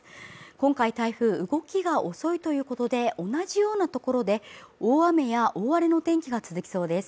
今回、台風動きが遅いということで同じような所で大雨や大荒れの天気が続きそうです